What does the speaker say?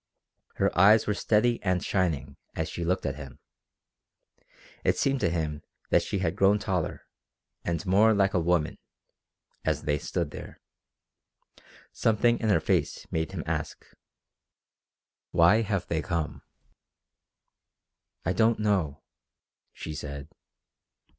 Her eyes were steady and shining as she looked at him. It seemed to him that she had grown taller, and more like a woman, as they stood there. Something in her face made him ask: "Why have they come?" "I don't know," she said.